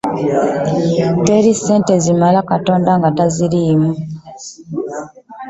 Teri ssente zimala nga Katonda taziriimu.